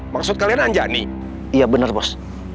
maksud kalian anjani iya bener bos